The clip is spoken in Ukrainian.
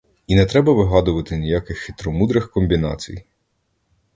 І не треба вигадувати ніяких хитромудрих комбінацій.